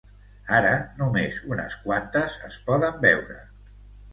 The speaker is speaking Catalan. Ara, només unes quantes es poden veure.